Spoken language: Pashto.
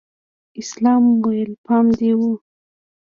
اسلام وويل پام دې و.